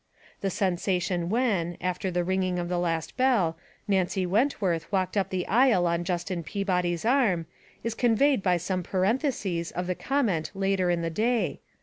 The sensation when, after the ringing of the last bell, Nancy Wentworth walked up the aisle on Justin Peabody's arm, is conveyed by some parentheses of the comment later in the day.